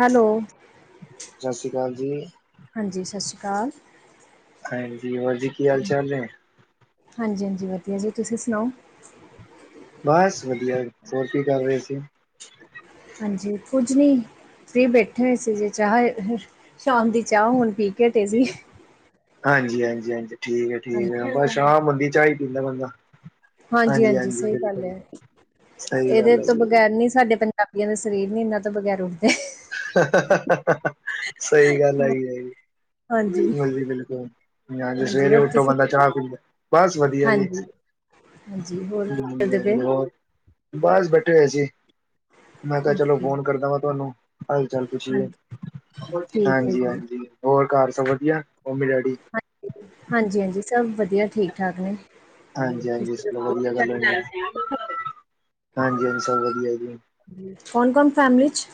Hello ਸਤਿ ਸ੍ਰੀ ਅਕਾਲ ਜੀ। ਕਾਲ ਹਾਂਜੀ ਹੋਰ ਜ਼ੀ ਕੀ ਹਾਲ-ਚਾਲ ਨੇ? ਹਾਂਜੀ-ਹਾਂਜੀ ਵਧੀਆ ਜੀ ਤੁਸੀਂ ਸੁਣਾਓ। ਬਸ ਵਧੀਆ ਹੋਰ ਕੀ ਕਰ ਰਹੇ ਸੀ? ਹਾਂਜੀ ਕੁਝ ਨਹੀਂ, ਫਰੀ ਬੈਠੇ ਹੋ ਇਸ ਜੇ ਚਾਹ ਸ਼ਾਮ ਦੀ ਚਾਹ ਹੁਣ ਪੀ ਕੇ ਹਟੇ ਸੀ ਹਾਂਜੀ ਹਾਂਜੀ ਹਾਂਜੀ ਠੀਕ ਹੈ ਠੀਕ ਏ ਹਾਂਜੀ ਆਪਾਂ ਸ਼ਾਮ ਹੁੰਦੀ ਚਾਹ ਈ ਪੀਂਦਾ ਬੰਦਾ। ਹਾਂਜੀ ਹਾਂਜੀ-ਹਾਂਜੀ ਹਾਂਜੀ ਸਹੀ ਗੱਲ ਬਿਲਕੁਲ ਐ ਸਹੀ ਇਹਦੇ ਗੱਲ ਤੋਂ ਹੈਗੀ ਬਗੈਰ ਹੈ ਨੀ ਸਾਡੇ ਪੰਜਾਬੀਆਂ ਦੇ ਸਰੀਰ ਨੀ ਇਹਨਾਂ ਤੋਂ ਬਗੈਰੋਂ ਸਹੀ ਗੱਲ ਹੈਗੀ ਆ। ਹਾਂਜੀ ਬਿਲਕੁਲ ਜੀ ਬਿਲਕੁਲ, ਹਾਂਜੀ ਸਵੇਰੇ ਹੋਰ ਉੱਠੋ ਤੁਸੀਂ ਬੰਦਾ ਚਾਹ ਪੀਦਾ। ਬਸ ਵਧੀਆ ਜੀ। ਹਾਂਜੀ ਹਾਂਜੀ ਹੋਰ ਕੀ ਕਰਦੇ ਪਏ ਹੂੰ ਬਸ ਬੈਠੇ ਹੋਏ ਸੀ। ਮੈਂ ਕਿਹਾ ਚਲੋ ਓਕੇ ਫੋਨ ਕਰਦਾ ਵਾਂ ਤੁਹਾਨੂੰ ਹਾਲ-ਚਾਲ ਪੁੱਛੀਏ। ਹਾਂਜੀ ਠੀਕ ਹੈ ਜੀ ਹਾਂਜੀ-ਹਾਂਜੀ ਹੋਰ ਘਰ ਸਭ ਵਧੀਆ, ਮੰਮੀ ਡੈਡੀ? ਹਾਂਜੀ-ਹਾਂਜੀ ਸਭ ਵਧੀਆ ਠੀਕ-ਠਾਕ ਨੇ। ਹਾਂਜੀ-ਹਾਂਜੀ ਤੁਸੀਂ ਇਸ ਦੱਸੋ? ਵਧੀਆ ਗੱਲ ਹੋਈ ਹੈ। ਹਾਂਜੀ, ਅਛਾ ਵਧੀਆ ਜੀ। ਕੌਣ-ਕੌਣ ਫੈਮਲੀ 'ਚ?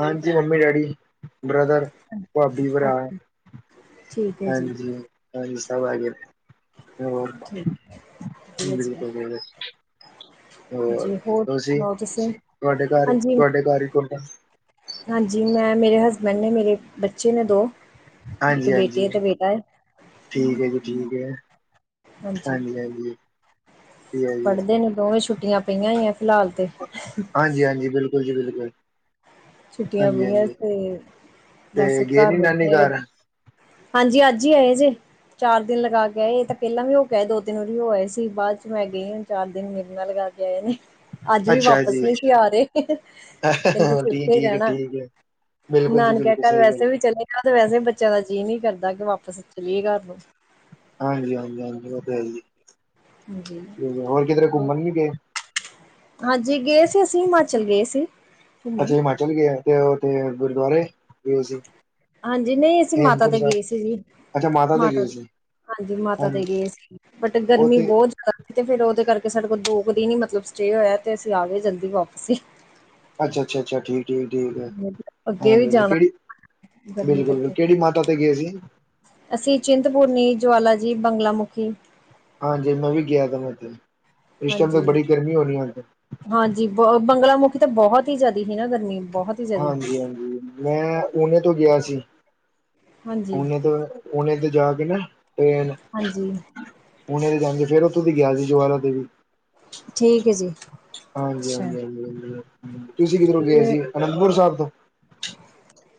ਹਾਂਜੀ ਮੰਮੀ-ਡੈਡੀ, ਬ੍ਰਦਰ, ਭਾਬੀ, ਭਰਾ ਓਕੇ ਠੀਕ ਹੈ ਜੀ ਹਾਂਜੀ ਹਾਂਜੀ ਸਭ ਆਗੇ ਨੇ। ਹੋਰ ਠੀਕ ਵਧੀਆ ਜੀ ਬਿਲਕੁਲ [unintelligible] ਹੋਰ ਤੁਸੀਂ, ਤੁਹਾਡੇ ਘਰ ਹਾਂਜੀ ਤੁਹਾਡੇ ਘਰ [unintelligible] ਹਾਂਜੀ ਮੈਂ ਮੇਰੇ ਹਸਬੈਂਡ ਨੇ ਮੇਰੇ ਬੱਚੇ ਨੇ ਦੋ ਇੱਕ ਬੇਟੀ ਹਾਂਜੀ-ਹਾਂਜੀ ਹੈ ਤੇ ਬੇਟਾ ਹੈ ਠੀਕ ਹੈ ਜੀ ਠੀਕ ਹੈ। ਹਾਂਜੀ ਹਾਂਜੀ-ਹਾਂਜੀ। ਪੜ੍ਹਦੇ ਨੇ ਦੋਵੇਂ ਛੁੱਟੀਆਂ ਪਈਆਂ ਹੋਈਆਂ। ਫਿਲਹਾਲ ਤੇ ਹਾਂਜੀ-ਹਾਂਜੀ ਬਿਲਕੁਲ-ਬਿਲਕੁਲ ਛੁੱਟੀਆਂ ਪਈਆਂ ਤੇ, ਤੇ ਬਸ ਗਏ ਘਰ ਨੀ ਨਾਨੀ ਬੈਠੇ ਘਰ ਹਾਂਜੀ ਅੱਜ ਈ ਆਏ ਜੇ। ਚਾਰ ਦਿਨ ਲਗਾ ਕੇ ਆਏ ਇਹ ਤਾਂ ਪਹਿਲਾ ਵੀ ਹੋ ਕੇ ਆ ਦੋ-ਤਿੰਨ ਵਾਰੀ ਹੋ ਆਏ ਸੀ ਬਾਅਦ ਚ ਮੈਂ ਗਈ ਸੀ ਚਾਰ ਦਿਨ ਮੇਰੇ ਨਾਲ ਲਗਾ ਕੇ ਆਏ ਨੇ। ਅੱਜ ਵੀ ਅੱਛਾ ਵਾਪਿਸ ਜੀ ਨਹੀਂ ਸੀ ਆ ਰਹੇ, ਕਹਿੰਦੇ ਠੀਕ ਏਥੇ ਈ ਠੀਕ ਹੈ ਰਹਿਣਾ, ਠੀਕ ਹੈ ਬਿਲਕੁਲ ਜੀ ਨਾਨਕਿਆ ਬਿਲਕੁਲ ਕਰ ਸਹੀ ਗੱਲ ਵੈਸੇ ਹੈ। ਵੀ ਚਲੇ ਤਾਂ ਵੈਸੇ ਬੱਚਿਆਂ ਦਾ ਜੀਅ ਨੀ ਕਰਦਾ ਕਿ ਵਾਪਸ ਚਲੀਏ ਘਰ ਨੂੰ। ਹਾਂਜੀ ਹਾਂਜੀ ਹਾਂਜੀ ਉਹ ਤਾਂ ਹੈ ਈ ਹਾਂਜੀ ਏ ਹੋਰ ਕਿਧਰੇ ਘੁੰਮਣ ਵੀ ਗਏ? ਹਾਂਜੀ, ਗਏ ਸੀ। ਅਸੀਂ ਹਿਮਾਚਲ ਗਏ ਸੀ। ਘੁੰਮਣ ਅੱਛਾ, ਹਿਮਾਚਲ ਗਿਆ। ਤੇ ਉਥੇ ਗੁਰਦੁਆਰੇ ਗਏ ਸੀ। ਹਾਂਜੀ, ਨਹੀਂ ਅਸੀਂ ਮਾਤਾ ਹੇਮਕੁੰਟ ਤੇ ਸਾਹਿਬ ਗਏ ਸੀ ਜੀ। ਅੱਛਾ ਦੇ ਮਾਤਾ ਗਏ ਤ- ਸੀ ਹਾਂਜੀ, ਮਾਤਾ ਤੇ ਹਾਂਜੀ ਗਏ ਸੀ। ਬਟ ਉਹ ਗਰਮੀ ਤੇ ਬਹੁਤ ਜ਼ਿਆਦਾ ਸੀ। ਤੇ ਫੇਰ ਉਹਦੇ ਕਰਕੇ ਸਾਡੇ ਕੋਲ ਦੋ ਕੁ ਦਿਨ ਹੀ, ਮਤਲਬ ਸਟੇ ਹੋਇਆ ਤੇ ਅਸੀਂ ਆ ਗਏ, ਜਲਦੀ ਵਾਪਸ ਹੀ। ਅੱਛਾ-ਅੱਛਾ, ਠੀਕ। ਠੀਕ-ਠੀਕ ਹੈ। ਅੱਗੇ ਵੀ ਹਾਂਜੀ-ਹਾਂਜੀ, ਜਾਣਾ ਕਿਹੜੀ ਗਰਮੀ ਬਿਲਕੁਲ ਕਰਕੇ ਕਿਹੜੀ ਮਾਤਾ ਤੇ ਗਏ ਸੀ। ਅਸੀਂ ਚਿੰਤਪੁਰਨੀ, ਜਵਾਲਾ ਜੀ, ਬੰਗਲਾ ਮੁੁਖੀ, ਹਾਂਜੀ, ਮੈਂ ਵੀ ਗਿਆ ਤ ਇੱਥੇ। ਹਾਂਜੀ-ਹਾਂਜੀ, ਬ ਬੰਗਲਾ ਮੁੁਖੀ ਤਾਂ ਬਹੁਤ ਹੀ ਜ਼ਿਆਦਾ ਸੀ, ਨਾ ਗਰਮੀ। ਬਹੁਤ ਹੀ ਜ਼ਿਆਦਾ ਹਾਂਜੀ-ਹਾਂਜੀ। ਮੈਂ, ਓਨੇ ਤੋਂ ਗਿਆ ਸੀ। ਹਾਂਜੀ ਉਹਨੇ ਤੇ ਜਾ ਕੇ ਨਾ ਟਰੇਨ ਹਾਂਜੀ ਔਤੇ ਜਾਂਗੇ ਫੇਰ, ਉਥੋਂ ਦੀ ਗਿਆ ਸੀ, ਜੁਵਾਲਾ ਦੇਵੀ। ਠੀਕ, ਹੈ ਜੀ। ਅੱਛਾ ਹਾਂਜੀ-ਹਾਂਜੀ, ਹ ਤੁਸੀਂ ਕਿਧਰੋਂ ਗਏ ਤੇ ਸੀ। ਅਨੰਦਪੁਰ ਸਾਹਿਬ ਤੋਂ?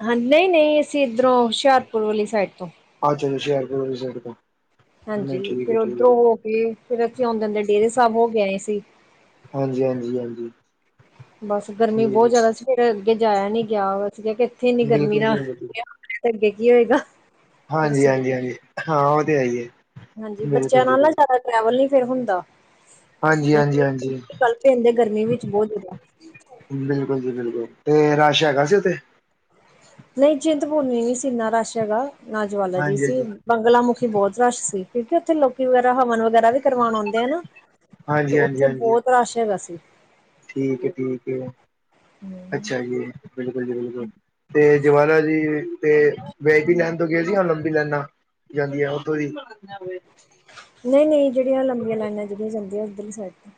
ਹਾਂਜੀ, ਨਹੀਂ-ਨਹੀਂ ਅਸੀਂ ਇੱਧਰੋਂ ਹੁਸ਼ਿਆਰਪੁਰ ਵਾਲੀ ਸਾਈਡ ਤੋਂ। ਅੱਛਾੇ। ਹੁਸ਼ਿਆਰਪੁਰੀ ਵਾਲੀ ਸਾਈਡ ਤੋਂ। ਹਾਂਜੀ, ਨਹੀਂ ਠੀਕ ਹੈ ਫੇਰ ਠੀਕ ਉਧਰੋਂ ਹੈ ਹੋ ਕੇ। ਫੇਰ ਅੱਥੇ ਆਉਂਦੇ ਅਸੀਂ ਡੇਰੇ ਸਾਹਿਬ ਹੋ ਕੇ ਆਏ ਸੀ। ਉਧਰੋਂ- ਹਾਂਜੀ ਹਾਂਜੀ ਹਾਂਜੀ ਬਸ ਗਰਮੀ ਜੀ ਬਹੁਤ ਜ਼ਿਆਦਾ ਸੀ, ਫੇਰ। ਅੱਗੇ ਜਾਇਆ ਨੀ ਗਿਆ। ਅਸੀਂ ਕਿਹਾ ਇੱਥੇ ਇੰਨੀ ਗਰਮੀ ਬਿਲਕੁਲ ਦਾ, ਜੀ ਵਿਹ ਤੇ ਅੱਗੇ ਕੀ ਹੋਏਗਾ। ਫਿਰ ਅਸੀਂ ਹਾਂਜੀ-ਹਾਂਜੀ ਗਏ ਹਾਂਜੀ, ਹਾਂ ਉਹ ਤੇ ਹੈ ਹੀ ਹੈ। ਹਾਂਜੀ, ਬੱਚਿਆਂ ਬਿਲਕੁਲ ਜੀ ਨਾਲ ਨਾ ਬਿਲਕੁਲ ਜ਼ਿਆਦਾ ਟ੍ਰੈਵਲ ਨੀ ਫੇਰ ਹੁੰਦਾ। ਹਾਂਜੀ ਚਲ ਹਾਂਜੀ ਹਾਂਜੀ ਪਦੇ ਕਲ ਤੇ ਐਨੀ ਗਰਮੀ ਵਿੱਚ ਬਹੁਤ ਬੁਰਾ ਹਾਲ ਸੀ। ਬਿਲਕੁਲ ਜੀ ਬਿਲਕੁਲ ਤੇ, ਰਸ਼ ਹੈਗਾ ਸੀ ਉੱਥੇ? ਨਹੀਂ, ਚਿੰਤਪੂਰਮੀ ਨਹੀਂ ਸੀ, ਇਨਾ ਰਸ਼ ਹੈਗਾ। ਨਾ ਜਵਾਲਾ ਜੀ ਹਾਂਜੀ ਸੀ। ਹਾਂਜੀ ਬੰਗਲਾ ਮੁੁਖੀ ਬਹੁਤ ਰਸ਼ ਸੀ। ਕਿਉਂਕਿ ਉੱਥੇ ਲੋਕੀ ਵਗੈਰਾ ਹਵਨ ਵਗੈਰਾ। ਵੀ ਕਰਵਾਉਣ ਆਉਂਦੇ ਆ ਨਾ, ਹਾਂਜੀ ਤੇ ਹਾਂਜੀ ਉੱਥੇ ਹਾਂਜੀ ਬਹੁਤ ਰਸ਼ ਹੈ, ਰਸਤੇ ਚ। ਠੀਕ ਹੈ- ਠੀਕ ਹੈ, ਅੱਛਾ ਜੀ, ਬਿਲਕੁਲ ਜੀ, ਬਿਲਕੁਲ ਤੇ ਜਵਾਲਾ ਜੀ, ਤੇ ਵੀ-ਆਈ-ਪੀ ਲੈਨ ਤੋਂ ਗਏ ਸੀ। ਲੰਬੀ ਲਾਈਨਾਂ ਚੱਲ ਆ ਉਓਦੋਂ ਦੀ। ਨਹੀਂ-ਨਹੀਂ ਜਿਹੜੀਆਂ ਲੰਬੀਆਂ ਲਾਈਨਾਂ ਜਿਹੜੀਆਂ ਜਾਂਦੀਆਂ ਉੱਧਰ ਹੀ ਸਾਈਡ।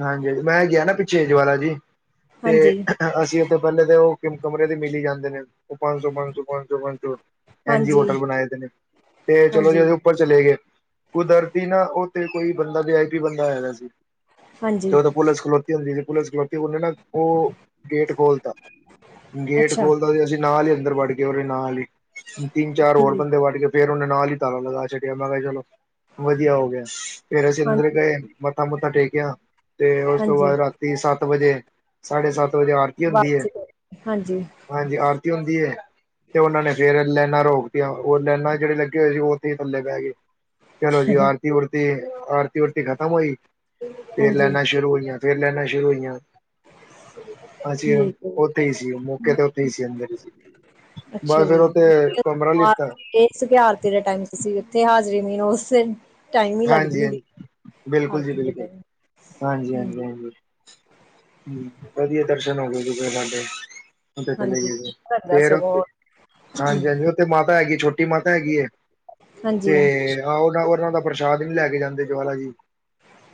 ਹਾਂਜੀ ਮੈਂ ਗਿਆ ਨਾ ਪਿੱਛੇ ਜਵਾਲਾ ਜੀ ਤੇ ਹਾਂਜੀ ਅਸੀਂ ਉੱਥੇ ਪਹਿਲੇ ਤੇ ਉਹ ਕਮਰੇ ਤੇ ਮਿਲੀ ਜਾਂਦੇ ਨੇ ਉਹ ਪੰਜ ਸੌ ਪੰਜ ਸੌ ਪੰਜ ਸੌ ਪੰਜ ਸੌ ਐਨਜੀ ਹਾਂਜੀ ਹੋਟਲ ਬਣਾਏ ਤੇ, ਨੇ ਤੇ ਚਲੋ ਜੀ ਹਾਂਜੀ ਉਹਦੇ ਉੱਪਰ ਚਲੇ ਗਏ। ਕੁਦਰਤੀ ਨਾ ਉਹ ਤੇ, ਕੋਈ ਬੰਦਾ ਵੀ ਆਈ ਪੀ ਬੰਦਾ ਆਇਆ ਹੋਇਆ ਸੀ। ਤੇ ਹਾਂਜੀ ਉਦੋਂ ਪੁਲਿਸ ਖਲੋਤੀ ਹੁੰਦੀ ਸੀ, ਪੁਲਿਸ ਖਲੋਤੀ ਉਹਨੇ ਨਾ, ਉਹ ਗੇਟ ਖੋਲਤਾ। ਗੇਟ ਅੱਛਾ ਖੋਲਦਾ ਸੀ। ਅਸੀਂ ਨਾਲ ਹੀ ਅੰਦਰ ਵੱੜ ਗੇ ਉਰੇ ਨਾਲ ਹੀ ਤਿੰਨ ਚਾਰ ਹੋਰ ਠੀਕ ਬੰਦੇ ਵੱੜ ਗਏ। ਫੇਰ ਉਹਨੇ ਨਾਲ ਹੀ ਤਾਲਾ ਲਗਾ ਛੱਡਿਆ। ਮੈਂ ਕਿਹਾ ਚਲੋ ਵਧੀਆ ਹੋ ਗਿਆ। ਫੇਰ ਅਸੀਂ ਹਾਂ ਅੰਦਰ ਗਏ। ਮੱਥਾ-ਸੂੱਥਾ ਟੇਕਿਆ? ਤੇ ਉਸ ਤੋਂ ਹਾਂਜੀ ਬਾਅਦ, ਰਾਤੀ ਸੱਤ ਵਜੇ, ਸਾਢੇ ਸੱਤ ਵਜੇ ਆਰਤੀ ਹੁੰਦੀ ਹੈ। ਵਾਪਸੀ ਕਰ- ਹਾਂਜੀ ਹਾਂਜੀ, ਆਰਤੀ ਹੁੰਦੀ ਹੈ। ਤੇ ਉਹਨਾ ਨੇ ਫੇਰ ਲੈਣਾ ਰੋਕ। ਉਹ ਲੈਨਾ ਚ ਜਿਹੜੇ ਲੱਗੇ ਹੋਏ ਸੀ। ਉਹ ਤੇ ਥੱਲੇ ਪੈ ਗਏ, ਚਲੋ ਜੀ ਆਰਤੀ- ਉਰਤੀ ਆਰਤੀ ੁਰਤੀ ਖਤਮ ਹੋਈ। ਫੇਰ ਹਾਂਜੀ ਲੈਣਾ ਸ਼ੁਰੂ ਹੋਈਆਂ- ਫੇਰ ਲੈਣਾ ਸ਼ੁਰੂ ਹੋਈਆਂ। ਹਾਂਜੀ, ਉਹ ਠੀਕ ਹੈ ਉਥੇ ਹੀ ਸੀ। ਉਹ ਮੁ ਮੌਕੇ ਤੇ ਉਥੇ ਹੀ ਸੀ, ਅੰਦਰ ਸੀ। ਅੱਛਾ, ਬਸ ਜੀ। ਫੇਰ ਉੱਥੇ [unintelligible] ਕਮਰਾ ਲਿੱਤਾ ਤੇਰਾ ਟਮਸੀਥੇ ਹ ਨਹੀਂ- ਨਹੀਂ ਉਸ ਦਿਨ ਹਾਂਜੀ- ਹਾਂਜੀ, ਬਿਲਕੁਲ ਜੀ ਆਰਤੀ ਦੇ ਬਿਲਕੁਲ ਟਾਈਮ ਹਾਂਜੀ- ਹਾਂਜੀ, ਹਾਂਜੀ। ਵਧੀਆ ਦਰਸ਼ਨ ਹੋ ਗਏ ਸੀ। ਜੀ ਸਾਡੇ। ਉਥੇ ਚਲੇ ਹਾਂਜੀ ਗਏ ਸੀ ਘਟਦਾ ਫੇਰ, ਸਗੋਂ ਹਾਂਜੀ- ਹਾਂਜੀ, ਉੱਥੇ ਮਾਤਾ ਹੈਗੀ ਹੈ, ਛੋਟੀ ਮਾਤਾ ਹੈਗੀ ਹੈ। ਹਾਂਜੀ, ਤੇ, ਆਹ ਉਹ ਉਹਨਾਂ ਦਾ, ਪ੍ਰਸ਼ਾਦ ਵੀ ਲੈ ਕੇ ਜਾਂਦੇ ਜਵਾਲਾ ਜੀ।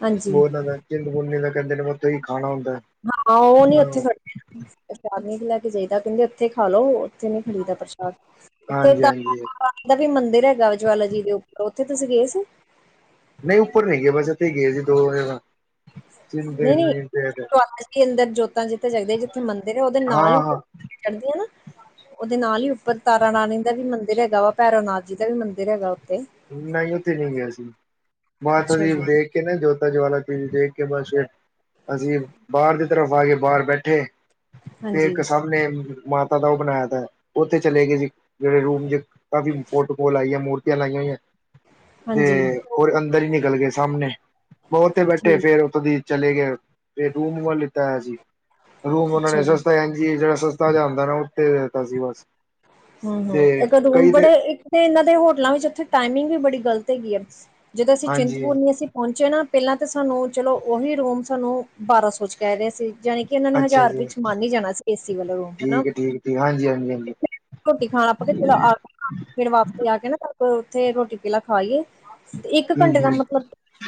ਹਾਂਜੀ। ਬਨਾਂ ਦਾ ਚਿੰਤਪੁਰਨੀ ਦਾ ਕਹਿੰਦੇ ਨੇ, ਮ ਤੁ ਉਥੇ ਹੀ ਖਾਣਾ ਹੁੰਦਾ। ਹਾਂ, ਉਹ ਨੀ ਉੱਥੇ ਹਾਂ ਫੜੇ [unintelligible] ਸ਼ਾਮੀ ਲੈ [unintelligible] ਕਹਿੰਦੇ ਉੱਥੇ ਖਾ ਲਓ ਉੱਥੇ ਨੀ ਖਰੀਦਾ ਪ੍ਰਸ਼ਾਦ ਉੱਥੇ ਹਾਂਜੀ ਹਾਂਜੀ ਤਾਂ ਵੀ ਮੰਦਿਰ ਹੈਗਾ ਜਵਾਲਾ ਜੀ ਦੇ ਉੱਪਰ ਉੱਥੇ ਤੁਸੀਂ ਗਏ ਸੀ ਨਹੀਂ ਉੱਪਰ ਨਹੀਂ ਗਿਆ ਬਸ ਇਥੇ ਹੀ ਗਏ ਜੀ ਦੋ ਦੋ ਜਗਾ ਚਿੰਦੇ ਨ [unintelligible] ੀ ਅੰਦਰ ਜੋਤਾਂ ਜਿੱਥ ਜਗਦੇ ਜਿੱਥੇ ਮੰਦਿਰ ਉਹਦੇ ਨਾਲ ਹੀ ਉ ਹਾਂ-ਹਾਂ ਚੜਦੀਆਂ ਨਾ ਉਹਦੇ ਨਾਲ ਹੀ ਉੱਪਰ ਤਾਰਾ ਰਣੀ ਦਾ ਵੀ ਮੰਦਿਰ ਹੈਗਾ ਵਾ ਭੈਰੋ ਨਾਥ ਜੀ ਦਾ ਵੀ ਮੰਦਿਰ ਹੈਗਾ ਉੱਥੇ। ਨਹੀਂ ਉੱਥੇ ਨਹੀਂੀ ਗਿਆ ਸੀ ਅੱਛਾ ਮਾਤਾਦੀਪ ਜੀ, ਦੇਖ ਕੇ ਨਾ ਜੋਤਾ ਜਾ ਚੀਜ਼ ਦੇਖ ਕੇ ਬਸ ਫਿਰ ਅਸੀਂ ਬਾਹਰ ਦੀ ਤਰਫ ਆ ਕੇ ਬਾਹਰ ਬੈਠੇ ਤੇ ਇੱਕ ਹਾਂਜੀ-ਹਾਂਜੀ ਸਾਮਣੇ ਨੇ ਮਾਤਾ ਦਾ ਉਹ ਬਣਾਇਆ ਤ ਉੱਥੇ ਚਲੇ ਗਏ ਜੀ ਜਿਹੜੇ ਰੂਮ ਜ ਕਾਫੀ ਫੋਟੋ ਕੋਲ ਆਈ ਮੂਰਤੀਆਂ ਲਾਈਆਂ ਹੋਈਆਂ ਤੇ ਉਹਦੇ ਅੰਦਰ ਹੀ ਨਿਕਲ ਗਏ ਸਾਹਾਮਣੇ ਮੋਰ ਤੇ ਬੈਠੇ ਫੇਰ ਠੀਕ ਉੱਥੋਂ ਦੀ ਚਲੇ ਗਏ ਫਰ ਦੂੰਹ ਨੂੰੂੰਹ ਲਿੱਤਾ ਹੋਇਆ ਸੀ ਰੂਮ ਉਹਨਾਂ ਅੱਛਾ ਨੇ ਜੀ। ਸਸਤਾ ਜਿਹੜਾ ਸਸਤਾਦਾ ਨਾ ਉੱਥ ਦਿੱਤਾ ਸੀ ਬ ਹਮ ਹਮ ਇੱਕ ਰੂਮ ਬੜੇ ਇੱਕੱ ਤੇ ਇਹਨਾ ਦੇ ਹੋਟਲਾਂ ਵਿੱਚ ਉੱਥੇ ਟਾਈਮਿੰਗ ਵੀ ਬੜੀ ਗਲਤ ਹੈਗੀ ਹੈ ਜਦੋਂ ਅਸੀਂ ਹਾਂਜੀ ਚਿੰਤਪੁਰਨੀ ਅਸੀਂ ਪਹੁੰਚੇ ਨਾ ਪਹਿਲਾਂ ਤਾਂ ਸਾਨੂੰ ਚਲੋ ਉਹੀ ਰੂਮ ਸਾਨੂੰ ਬਾਰਾਂ ਸੌ ਚ ਕਹਿ ਰਹੇ ਸੀ ਜਾਣੀ ਕਿ ਇਹਨਾਂ ਨੇ ਅੱਛਾ ਹਜ਼ਾਰ ਜੀ ਵਿੱਚ ਮਾਨ ਹੀ ਜਾਣਾ ਸੀ ਏਸੀ ਵੱਲੋਂ ਰੂਮ ਹਨਾ ਠੀਕ ਹੈ ਠੀਕ ਠੀਕ ਹਾਂਜੀ ਹਾਂਜੀ ਹਾਂਜੀ ਹਮ ਰੋਟੀ ਖਾਣਾ ਆਪਾਂ ਚਲੋ ਆ [unintelligible] ਫਿਰ ਵਾਪਸਤੇ ਆ ਕੇ ਨਾ ਉੱਥੇ ਰੋਟੀ ਪੀਲਾ ਖਾਏ ਇੱਕ ਘੰਟੇ ਦਾ ਹਮ ਮਤਲਬ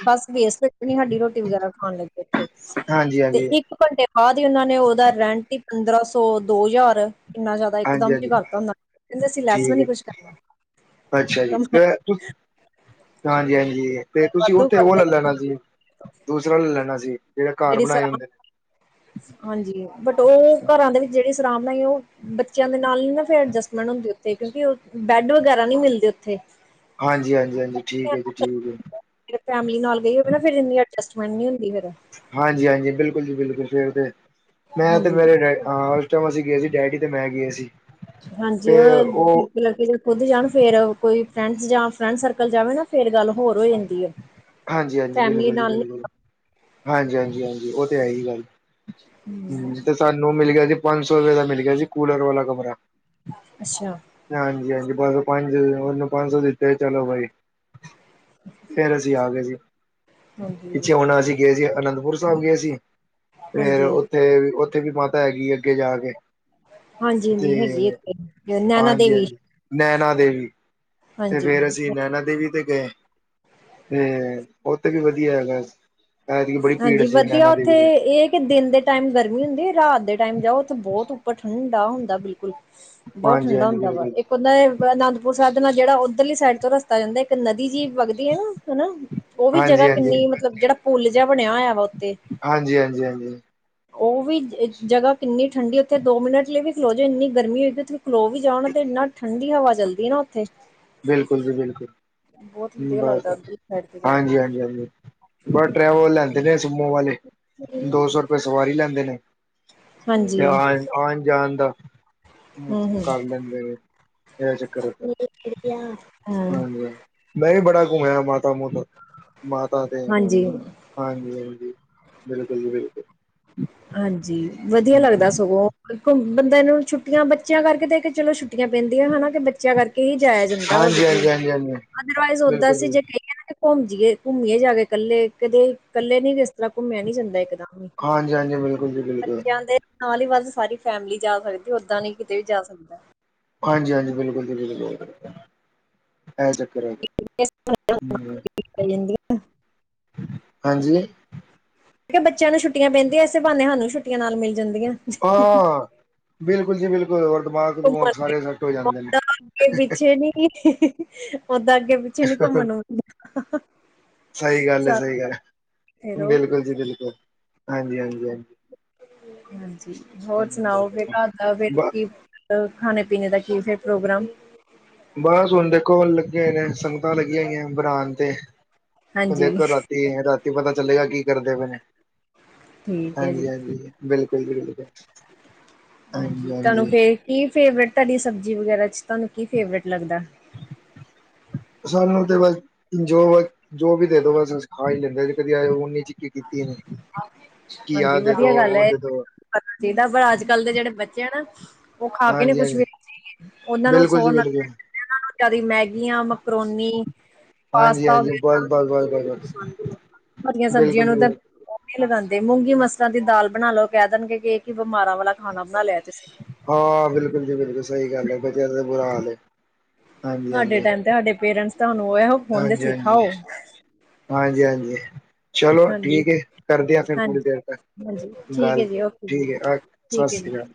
ਬਸ ਵੇਸਟ ਨੀ ਹਾਡੀ ਰੋਟੀ ਵਗੈਰਾ ਖਾਣ ਲੱਗੇ ਉੱਥੇ ਹਾਂਜੀ ਤੇ ਹਾਂਜੀ ਇੱਕ ਘੰਟੇ ਹਾਂ ਦੀ ਉਹਨਾਂ ਨੇ ਉਹਦਾ ਰੈਂਟ ਹੀ ਪੰਦਰਾਂ ਸੌ ਦੋ ਹਜ਼ਾਰ ਇੰਨਾ ਜ਼ਿਆਦਾ ਹਾਂਜੀ ਇਕਦਮ ਹਾਂਜੀ ਕਰਤਾ ਹੁੰਦਾ ਕਹਿੰਦੇ ਅਸੀਂ ਲੈਸ ਵੀ ਠੀਕ ਨੀ ਕੁਛ ਕਰਨਾ ਅੱਛਾ ਜੀ ਤੇ ਕਮਾਈ ਤੁ ਹਾਂਜੀ ਹਾਂਜੀ ਤੇ ਕਮਾਈ ਤੁਸੀਂ ਵਾਧੂ ਉੱਥੇ ਉਹ ਕਰਦੇ ਲੈ ਨੇ। ਲੈਣਾ ਸੀ ਦੂਸਰਾ ਲੈ ਲੈਣਾ ਸੀ ਜਿਹੜੇ ਘਰ ਜਿਹੜੀ ਬਣਾਏ ਸਰਾ ਹੁੰਦੇ ਹਾਂਜੀ ਬਟ ਉਹ ਨੇ ਘਰਾਂ ਦੇ ਵਿੱਚ ਜਿਹੜੀ ਆਰਾਮ ਨਾਲ ਬੱਚਿਆਂ ਦੇ ਨਾਲ ਨ ਨਾ ਫ ਅਜਸਟਮੈਂਟ ਹੁੰਦੀ ਉਥੇ ਕਿਉਂਕਿ ਉਹ ਬੈੱਡ ਵਗੈਰਾ ਨਹੀਂੀ ਮਿਲਦੇ ਉੱਥੇ ਹਾਂਜੀ ਹਾਂਜੀ ਹਾਂਜੀ ਠੀਕ ਹੈ ਜੀ ਠੀਕ ਹੈ [unintelligible] ਫੈਮਿਲੀ ਨਾਲ ਗਈ ਹੋਵੇ ਨਾ ਫਿਰ ਜਨੀ ਐਡਜਸਟਮੈਂਟ ਨਹੀਂੀ ਹੁੰ ਫਿਰ ਹਾਂਜੀ ਹਾਂਜੀ ਬਿਲਕੁਲ ਜੀ ਬਿਲਕੁਲ ਫਿਰ ਤੇ ਮੈਂ ਤੇ ਹਾਂਜੀ। ਮੇਰੇ ਜਦੋਂ ਅਸੀਂ ਗਏ ਸੀ ਡੈਡੀ ਤੇ ਮੈਂ ਗਏ ਸੀ। ਹਾਂਜੀ ਉਹ ਲੜਕੇ ਜਦ ਖੁੱਦ ਜਾਣ ਫੇਰ ਕੋਈ ਹਾਂਜੀ ਜਾਂ ਫਰੈਂਡ ਸਰਕਲ ਜਾਵੇ ਨਾ ਫੇਿਰ ਗੱਲ ਹੋਰ ਹੋ ਜਾਂਦੀ ਆ ਹਾਂਜੀ ਹਾਂਜੀ ਬਿਲਕੁਲ ਜੀ ਬਿਲਕੁਲ ਹਾਂਜੀ ਹਾਂਜੀ ਹਾਂਜੀ ਉਹ ਤੇ ਹੈ ਹੀ ਗੱਲ ਹਮ ਤੇ ਸਾਨੂੰ ਮਿਲ ਗਿਆ ਸੀ ਪੰਜ ਸੌ ਰੁਪਏ ਦਾ ਮਿਲ ਗਿਆ ਸੀ ਕੂਲਰ ਵਾਲਾ ਕਮਰਾ ਅੱਛਾ ਹਾਂਜੀ ਹਾਂਜੀ ਬ ਪੰਜ ਉਹਨੂੰ ਪੰਜ ਸੌ ਦਿੱਤੇ ਚਲੋ ਬਾਈ ਫੇਰ ਅਸੀਂ ਆ ਗਏ ਸੀ ਹਾਂਜੀ। ਪਿੱਛੇ ਹੁਣ ਅਸੀਂ ਗਏ ਸੀ ਅਨੰਦਪੁਰ ਸਾਹਿਬ ਗਏ ਸੀ ਫੇਿਰ ਹਾਂਜੀ, ਹਾਂਜੀ, ਉੱਥੇ ਉੱਥੇ ਵੀ ਮਾਤਾ ਹੈਗੀ ਅੱਗੇ ਜਾ ਕੇ ਹਾਂਜੀ ਤੇ ਹਾਂਜੀ ਹੈਗੀ ਇਥੇ ਹਾਂਜੀ ਹਾਂਜੀ ਨੈਣਾ ਦੇਵੀ ਤੇ ਹਾਂਜੀ ਫੇਰ ਅਸੀਂ ਨੈਣਾ ਦੇਵੀ ਤੇ ਤੇ ਉਹ ਤੇ ਵੀ ਵਧੀਆ ਹੈਗਾ ਐਤਕੀ ਬੜੀ ਭੀੜ ਹਾਂਜੀ ਸੀ ਵਧੀਆ ਨੈਨਾ ਉੱਥੇ ਦੇਵੀ ਦੇ ਇਹ ਕਿ ਦਿਨ ਦੇ ਟਾਈਮ ਗਰਮੀ ਹੁੰ ਰਾਤ ਦੇ ਟਾਈਮ ਜਾਓ ਉਥੇ ਬਹੁਤ ਉੱਪਰ ਠੰਡਾ ਹੁੰਦਾ ਬਿਲਕੁਲ ਬਹੁਤ ਹਾਂਜੀ ਠੰਡਾ ਹਾਂਜੀ ਹੁੰਦਾ ਵਾ ਬਿਲਕੁਲ ਇੱਕ ਹੁੰਦਾ ਅਨੰਦਪੁਰ ਸਾਧ ਨਾਲ ਜਿਹੜਾ ਉੱਧਰਲੀ ਸਾਈਡ ਤੋਂ ਰਸਤਾ ਜਾਂਦਾ ਇੱਕ ਨਦੀ ਜੀ ਵਗਦੀ ਹੈ ਨਾ ਹਨਾ ਉਹ ਵੀ ਜਗ੍ਹਾ ਹਾਂਜੀ ਹਾਂਜੀ ਕਿੰਨੀ ਮਤਲਬ ਜਿਹੜਾ ਪੁਲ ਜਿਹਾ ਬਣਿਆ ਹੋਇਆ ਵਾ ਹਾਂਜੀ ਹਾਂਜੀ ਹਾਂਜੀ ਉਹ ਵੀ ਜਗ੍ਹਾ ਕਿੰਨੀ ਠੰਢਡੀ ਉੱਥੇ ਦੋ ਮਿੰਟ ਲਈ ਵੀ ਖਲੋ ਜੇ ਇੰਨੀ ਗਰਮੀ ਹੋਈਗੀ ਉੱਥੇ ਖਲੋ ਵੀ ਜਾਓ ਤੇ ਇੰਨਾ ਠੰਢਡੀ ਹਵਾ ਚੱਲਦੀ ਨਾ ਉੱਥੇ ਬਿਲਕੁਲ ਜੀ ਬਹੁਤ ਬਿਲਕੁਲ। ਵਧੀਆ ਬਸ ਲੱਗਦਾ ਉੱਧਰਲੀ ਸਾਈਡ ਤੇ ਜਾ ਕੇ ਹਾਂਜੀ ਹਾਂਜੀ ਹਾਂਜੀ ਬਸ ਟਰੈਵਲ ਲੈਂਦਾ। ਦੇ ਨੇ ਸੁਮੋ ਵਾਲੇ ਦੋ ਸੌ ਰੁਪਏ ਸਵਾਰੀ ਲੈਂਦੇ ਨੇ। ਤੇ ਹਾਂਜੀ ਆ ਆਉਣ ਜਾਣ ਦਾ ਉਹ ਹੂੰ ਹੂੰ ਕਰ ਲੈਂਦੇ ਨੇ ਇਹ ਚੱਕਰ ਹੈਗਾ। ਹਾਂ ਬੜਾ ਘੁੰਮਿਆ ਮਾਤਾ ਮੁਤਾ ਮਾਤਾ ਦੇ ਹਾਂਜੀ ਹਾਂਜੀ ਹਾਂਜੀ। ਬਿਲਕੁਲ ਜੀ ਬਿਲਕੁਲ। ਹਾਂਜੀ ਵਧੀਆ ਲੱਗਦਾ ਸਗੋਂ। ਬੰਦੇ ਨੂੰ ਛੁੱਟੀਆਂ ਬੱਚਿਆਂ ਕਰਕੇ ਦੇ ਕੇ ਚਲੋ ਛੁੱਟੀਆਂ ਪੈਂਦੀਆਂ ਹੈ ਨਾ। ਬੱਚਿਆਂ ਕਰਕੇ ਹੀ ਜਾਇਆ ਜਾਂਦਾ ਵਾ ਹਾਂਜੀ ਕਿਤੇ ਹਾਂਜੀ ਹਾਂਜੀ ਹਾਂਜੀ ਅਦਰਵਾਈਜ਼ ਓਦਾਂ ਬਿਲਕੁਲ ਅਸੀਂ ਜੀ ਜੇ ਕਹੀਏ ਨਾ। ਘੁੰਮ ਜਈਏ ਘੁੰਮੀਏ ਜਾ ਕੇ ਕੱਲੇ ਕਦੇ ਕੱਲੇ ਨੀ ਇਸ ਤਰ੍ਹਾਂ ਘੁੰਮਿਆ ਨੀ ਜਾਂਦਾ ਇਕਦਮ ਹੀ। ਜੀ ਬਿਲਕੁਲ ਜੀ ਬਿਲਕੁਲ। ਬੱਚਿਆਂ ਦੇ ਨਾਲ ਹੀ ਬਸ ਸਾਰੀ ਫੈਮਲੀ ਜਾ ਸਕਦੀ ਓਦਾਂ ਨ ਕਿਤੇ ਵੀ ਜਾ ਸਕਦਾ ਹਾਂਜੀ ਹਾਂਜੀ ਬਿਲਕੁਲ ਜੀ ਬਿਲਕੁੱਲ। ਇਹ ਚੱਕਰ ਇਸ ਹੈਗਾ ਪੈ ਜਾਂਦੀਆਂ ਮੈਂ ਹਾਂਜੀ। ਬੱਚਿਆਂ ਨੂੰ ਛੱਟੀਆਂ ਪੈਂਦੀਆਂ ਇਸ ਬਾਨੇ ਸਾਨ ਛੁੱਟੀਆਂ ਨਾਲ ਮਿਲਦੀ। ਹਾਂ, ਬਿਲਕੁਲ ਜੀ, ਬਿਲਕੁਲ ਹੋਰ? ਦਿਮਾਗ ਘੁੰਮਣ ਦਮੂਗ ਸਾਰੇ ਲਈ। ਸੱਟ ਹੋ ਜਾਂਦੇ ਨੇ। ਓਦਾਂ ਅੱਗੇ ਪਿੱਛੇ ਨੀ ਓਦਾਂ ਅੱਗੇ ਪਿੱਛੇ ਨੀ ਘੁੰਮਣ ਆਉਦਾ। ਸਹੀ ਗੱਲ ਹੈ ਸਹੀ ਗੱਲ ਫਿਰੋ। ਬਿਲਕੁਲ ਜੀ ਬਿਲਕੁਲ ਹਾਂਜੀ ਹਾਂਜੀ ਹ। ਹਾਂਜੀ ਹੋਰ ਹਾਂਜੀ ਸੁਣਾਓ ਫਿਰ ਘਰ ਦਾ ਫਿਰ ਬ ਕੀ? ਖਾਣੇ ਪੀਣੇ ਦਾ ਕੀ ਫਿਰ ਪ੍ਰੋਗਰਾਮ? ਬਸ ਹੁਣ ਦੇਖੋ ਕੋੋਲ ਲੱਗੇ ਹੋਏ ਨੇ ਸੰਗਤਾਂ ਲੱਗੀਆਂ ਹੋਈਆਂ ਬਣਾਣ ਤੇ ਹ ਹਾਂਜੀ ਦੇਖੋ ਰਾਤੀ ਰਾਤੀ ਪਤਾ ਚੱਲੇਗਾ ਕੀ ਕਰਦੇ ਪਏ ਨੇ। ਠੀਕ ਹੈ ਹਾਂਜੀ ਜੀ ਹਾਂਜੀ ਬਿਲਕੁਲ ਬਿਲਕੁਲ। ਹਾਂਜੀ ਤੁਹਾਨੂੰ ਫਿਰ ਕੀ ਫੇਵਰੇਟ ਤੁਹਾਡੀ ਸਬਜ਼ੀ ਵਗੈਰਾ ਚ। ਤੁਹਾਨੂੰ ਕੀ ਫੇਵਰੇਟ ਲੱਗਦਾ? ਸਾਨੂੰ ਤੇ ਬਸ ਜੋ ਜੋ ਵੀ ਦੇ ਦੋ ਬਸ ਖਾ ਹੀ ਲੈਂਦੇ ਕਦੇ ਐ ਓ ਨੀ। ਕੀ ਆਹ ਹਾਂਜੀ ਦੇ ਦੋ ਵਧੀਆ ਗੱਲ ਉਹ ਹੈ ਇਹ। ਦੇ ਦੋ ਪਤਾ ਚਾਹੀਦਾ ਪਰ ਅੱਜ ਕੱਲ੍ਹ ਦੇ ਜਿਹੜੇ ਬੱਚੇ ਆ ਨਾ ਉਹ ਖਾ ਕੇ ਨ ਹਾਂਜੀ ਕੁਛ ਹਾਂਜੀ ਵੀ ਉਹਨਾਂ ਨੂੰ ਬਿਲਕੁਲ ਸੌ ਜੀ ਨ ਬਿਲਕੁਲ ਨੂੰ ਜਿਆ ਮੈ [unintelligible] ਕੀ ਆ ਮੈਕਰੋਨੀ। ਹਾਂਜੀ ਪਾਸਤਾ ਹਾਂਜੀ ਵਗੈਰਾ ਬਸ ਬਸ ਬਸ ਬਸ ਬਸ ਵਰਗੀਆਂ ਸਬਜ਼ੀਆਂ ਬਿਲਕੁਲ ਜੀ ਨੂੰ ਉਧਰ ਬਿਲਕੁਲ ਨੀ ਲਗਾਉਂਦੇ ਮੂੰਗੀ ਮਸਰਾਂ ਦੀ ਦਾਲ ਬਣਾ ਲੋ ਕਹਿ ਦੇਣਗੇ ਕਿ ਇਹ ਕੀ ਬਿਮਾਰਾਂ ਵਾਲਾ ਖਾਣਾ ਬਣਾ ਲਿਆ। ਤੁਸੀਂ ਹਾਂ, ਬਿਲਕੁਲ ਜੀ, ਬਿਲਕੁਲ, ਸਹੀ ਗੱਲ ਹੈ ਬੱਚਿਆਂ ਦਾ ਬੁਰਾ ਹਾਲ ਏ। ਸਾਡੇ ਟਾਈਮ ਤੇ ਸਾਡੇ ਪੇਰੈਂਟਸ ਸਾਨੂੰ ਇਹੋ ਕਹਿੰਦੇ ਹਾਂਜੀ ਸੀ ਹਾਂਜੀ ਖਾਓ। ਹਾਂਜੀ ਹਾਂਜੀ ਚਲੋ ਹਾਂਜੀ ਠੀਕ ਹੈ ਕਰਦੇ ਆਂ ਫਿਰ ਥੋੜੀ ਹਾਂਜੀ ਦੇਰ ਤੱਕ। ਹਾਂਜੀ ਠੀਕ ਹੈ ਗੱਲ ਜੀ ਓਕੇ ਠੀਕ ਜੀ ਹੈ ਆ ਸਤਿ ਠੀਕ ਹੈ ਸ੍ਰੀ ਜੀ ਅਕਾਲ।